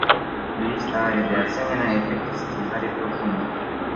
Lista are, de asemenea, efecte secundare profunde.